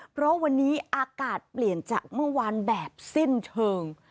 เพราะวันนี้อากาศเปลี่ยนจากเมื่อวานแบบสิ้นเชิง